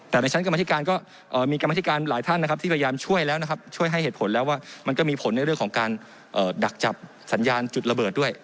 แต่ในชั้นกรรมธิการก็มีกรรมธิการหลายท่านนะครับที่พยายามช่วยแล้วนะครับช่วยให้เหตุผลแล้วว่ามันก็มีผลในเรื่องของการดักจับสัญญาณจุดระเบิดด้วย